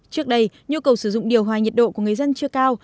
trước đây nhu cầu sử dụng điều hòa nhiệt độ của người dân chưa cao